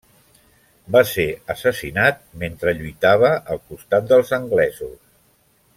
Va ser assassinat mentre lluitava al costat dels anglesos.